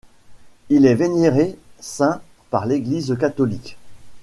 Il est vénéré saint par l'Église catholique.